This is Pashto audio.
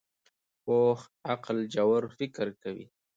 پوخ عقل ژور فکر کوي